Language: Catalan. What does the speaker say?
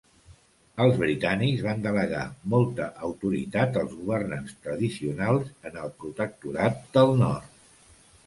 Els britànics van delegar molta autoritat als governants tradicionals en el protectorat del Nord.